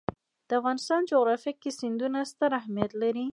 د افغانستان جغرافیه کې سیندونه ستر اهمیت لري.